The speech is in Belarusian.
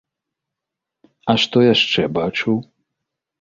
А што яшчэ бачыў?